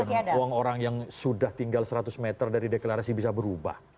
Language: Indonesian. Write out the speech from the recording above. karena uang orang yang sudah tinggal seratus meter dari deklarasi bisa berubah